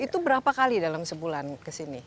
itu berapa kali dalam sebulan kesini